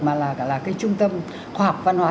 mà là cái trung tâm khoa học văn hóa